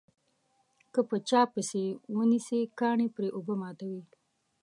که په چا پسې یې ونسي کاڼي پرې اوبه ماتوي.